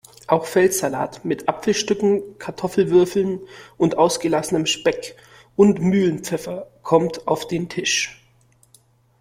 Auch Feldsalat mit Apfelstücken, Kartoffelwürfeln und ausgelassenem Speck und Mühlenpfeffer kommt auf den Tisch.